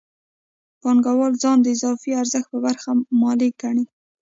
پانګوال ځان د اضافي ارزښت د برخې مالک ګڼي